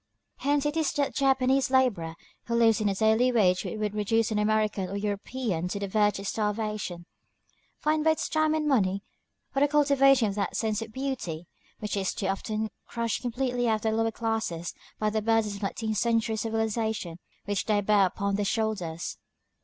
Hence it is that the Japanese laborer, who lives on a daily wage which would reduce an American or European to the verge of starvation, finds both time and money for the cultivation of that sense of beauty which is too often crushed completely out of the lower classes by the burdens of this nineteenth century civilization which they bear upon their shoulders.